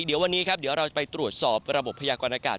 เดี๋ยววันนี้ครับเดี๋ยวเราจะไปตรวจสอบระบบพยากรณากาศ